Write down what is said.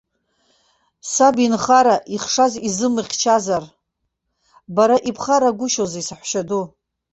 Саб инхара, ихшаз изымыхьчазар, бара ибхарагәышьоузеи, саҳәшьаду.